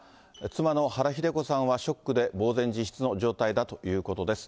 妻の原日出子さんはショックで、呆然自失の状態だということです。